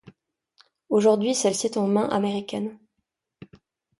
Aujourd'hui, celle-ci est en mains américaines.